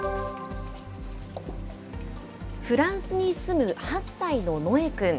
フランスに住む８歳のノエ君。